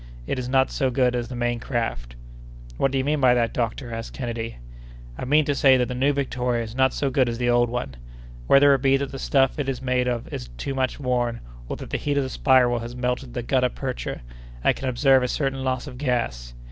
It is not so good as the main craft." "What do you mean by that, doctor?" asked Kennedy. "I mean to say that the new Victoria is not so good as the old one. Whether it be that the stuff it is made of is too much worn, or that the heat of the spiral has melted the gutta percha, I can observe a certain loss of gas.